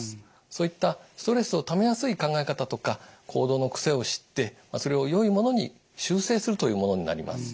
そういったストレスをためやすい考え方とか行動の癖を知ってそれをよいものに修正するというものになります。